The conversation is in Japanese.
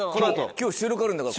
今日収録あるんだから。